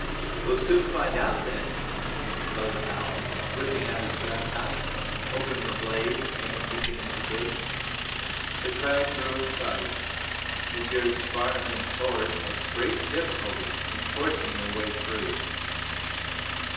"We'll soon find out then," proposed Hal, whipping out his jack knife, opening a blade and beginning to dig. The crowd grew in size. Messrs. Farnum and Pollard had great difficulty in forcing their way through.